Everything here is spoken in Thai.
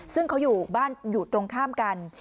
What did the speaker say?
ซึ่งเขาอยู่บ้านอยู่ตรงข้ามกัน